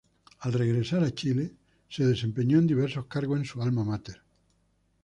Al regresar a Chile, se desempeñó en diversos cargos en su alma máter.